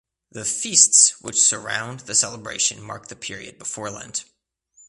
The feasts which surround the celebration mark the period before Lent.